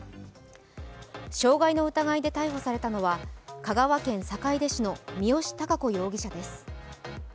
傷害の疑いで逮捕されたのは香川県坂出市の三好貴子容疑者です。